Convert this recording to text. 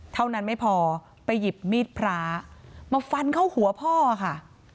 เท่านั้นไม่พอไปหยิบมีดพระมาฟันเข้าหัวพ่อค่ะ